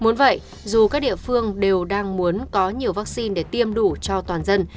muốn vậy dù các địa phương đều đang muốn có nhiều vaccine để tiêm đủ cho toàn dân